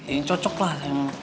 ini cocok lah sayang